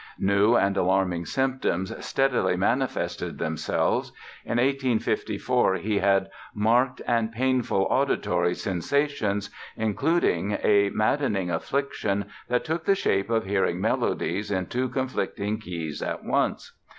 New and alarming symptoms steadily manifested themselves. In 1854 he had "marked and painful auditory sensations", including a maddening affliction that took the shape of hearing melodies in two conflicting keys at once.